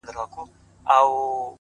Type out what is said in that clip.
خوب كي گلونو ســـره شپـــــې تېــروم ـ